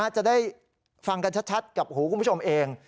จะได้ฟังกันชัดกับหูคุณผู้ชมเอง